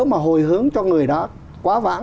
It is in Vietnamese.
mà hồi hướng cho người đã quá vãng